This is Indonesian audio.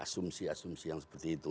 asumsi asumsi yang seperti itu